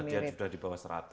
dia juga di bawah seratus ya